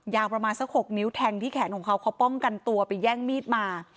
ประมาณสัก๖นิ้วแทงที่แขนของเขาเขาป้องกันตัวไปแย่งมีดมา